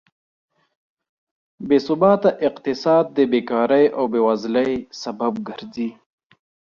بېثباته اقتصاد د بېکارۍ او بېوزلۍ سبب ګرځي.